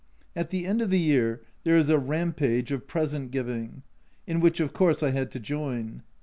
At the end of the year there is a rampage of present giving, in which, of course, I had to join.